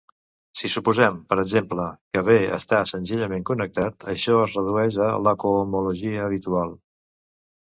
Si suposem, per exemple, que "B" està senzillament connectat, això es redueix a la cohomologia habitual.